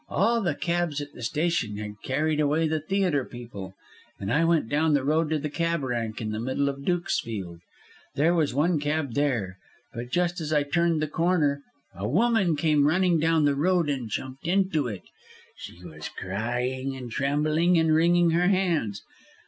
All the cabs at the station had carried away the theatre people, and I went down the road to the cab rank in the middle of Dukesfield. There was one cab there. But just as I turned the corner a woman came running down the road and jumped into it. She was crying, and trembling and wringing her hands.